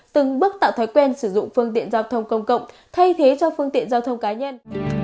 từng bước tạo thói quen sử dụng phương tiện giao thông công cộng thay thế cho phương tiện giao thông cá nhân